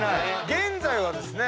現在はですね